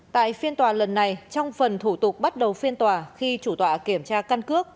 tại phiên tòa lần này trong phần thủ tục bắt đầu phiên tòa khi chủ tọa kiểm tra căn cước